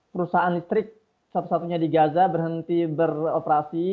perusahaan listrik satu satunya di gaza berhenti beroperasi